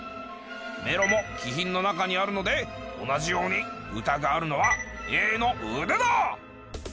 「メロ」も「気品」の中にあるので同じように「ウタ」があるのはＡの「腕」だ！